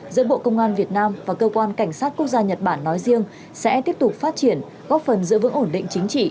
giữa bộ công an việt nam và cơ quan cảnh sát quốc gia nhật bản nói riêng sẽ tiếp tục phát triển góp phần giữ vững ổn định chính trị